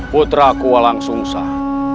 putra ku walang sungsah